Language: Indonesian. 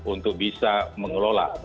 untuk bisa mengelola